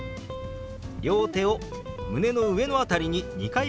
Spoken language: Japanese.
両手を胸の上の辺りに２回ほど当てます。